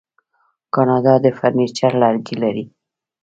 کاناډا د فرنیچر لرګي لري.